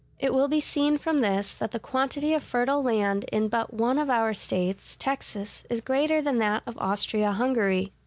It will be seen from this that the quantity of fertile land in but one of our States—Texas—is greater than that of Austria Hungary.